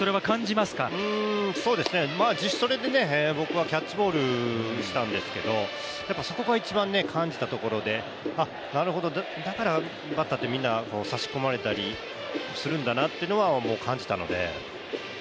自主トレで僕はキャッチボールしたんですけど、そこが一番感じたところで、なるほど、だからバッターってみんな差し込まれたりするんだなっていうのは僕も感じたので。